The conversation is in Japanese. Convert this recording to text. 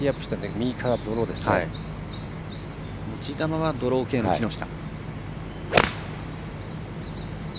持ち球はドロー系の木下。